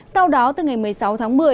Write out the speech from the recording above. sau đó từ ngày một mươi sáu tháng một mươi